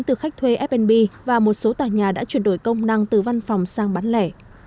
từ khách thuê f b và một số tòa nhà đã chuyển đổi công năng từ văn phòng sang bán lẻ